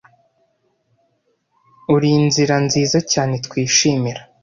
urinzira nziza cyane twishimira